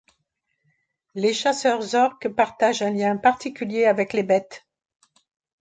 Les chasseurs orcs partagent un lien particulier avec les bêtes.